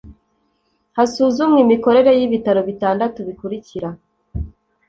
Hasuzumwe imikorere y ibitaro bitandatu bikurikira